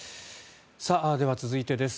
では、続いてです。